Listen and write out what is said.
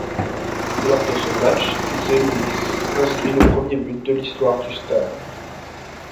Lors de ce match, Zé Luís inscrit le premier but de l'histoire du stade.